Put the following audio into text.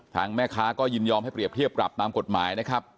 ทางแม่ค้าก็ยินยอมให้เปรียบเทียบปรับตามกฎหมายนะครับ